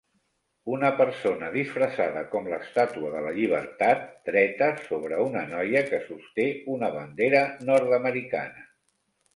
Una persona disfressada com l'estàtua de la llibertat dreta sobre una noia que sosté una bandera nord-americana.